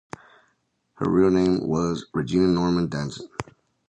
Her real name was Regina Norman Danson.